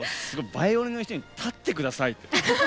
バイオリンの人に立ってくださいって。